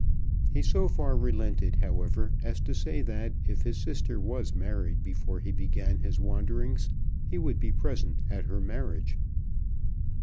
He so far relented, however, as to say that if his sister was married before he began his wanderings he would be present at her marriage.